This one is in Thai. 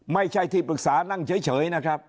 ไม่ใช่ที่ปรึกษานั่งเฉยนะครับ